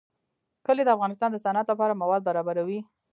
کلي د افغانستان د صنعت لپاره مواد برابروي.